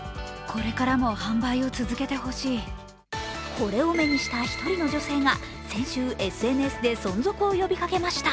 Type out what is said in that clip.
これを目にした１人の女性が先週、ＳＮＳで存続を呼びかけました。